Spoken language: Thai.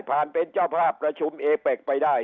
เป็นเจ้าภาพประชุมเอเป็กไปได้